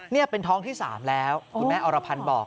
นี่เป็นท้องที่๓แล้วคุณแม่อรพันธ์บอก